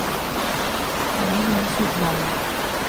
這樣說來，